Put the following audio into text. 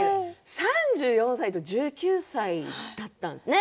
３４歳と１９歳だったんですね。